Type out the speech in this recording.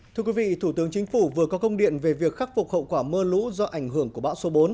thưa quý vị thủ tướng chính phủ vừa có công điện về việc khắc phục hậu quả mưa lũ do ảnh hưởng của bão số bốn